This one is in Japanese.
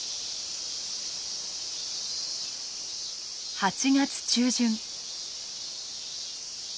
８月中旬。